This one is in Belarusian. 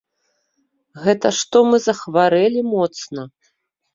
Гэта што мы захварэлі моцна.